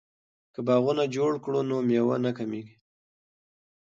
که باغونه جوړ کړو نو میوه نه کمیږي.